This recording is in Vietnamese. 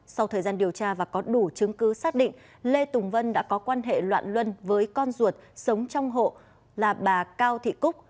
sau thời gian điều tra và có đủ chứng cứ xác định lê tùng vân đã có quan hệ loạn luân với con ruột sống trong hộ là bà cao thị cúc